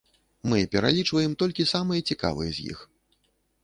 Мы пералічваем толькі самыя цікавыя з іх.